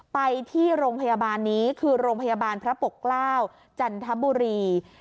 ไปที่โรงพยาบาลนี้คือโรงพยาบาลพระปกเกล้าจันทบุรี